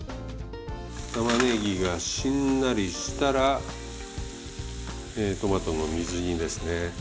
玉ねぎがしんなりしたらトマトの水煮ですね。